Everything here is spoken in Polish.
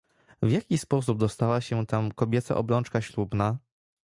"W jaki sposób dostała się tam kobieca obrączka ślubna?"